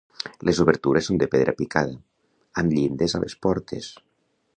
Les obertures són de pedra picada, amb llindes a les portes.